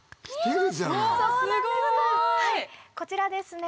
こちらですね